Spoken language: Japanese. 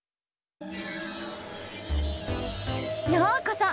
ようこそ！